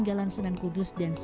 sedangkan di nah suggestions